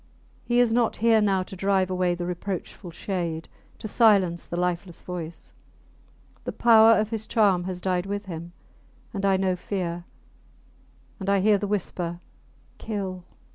He is not here now to drive away the reproachful shade to silence the lifeless voice! The power of his charm has died with him. And I know fear; and I hear the whisper, Kill!